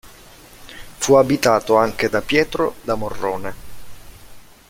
Fu abitato anche da Pietro da Morrone.